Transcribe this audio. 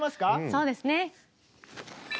そうですね。